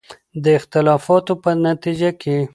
د اختلافاتو په نتیجه کې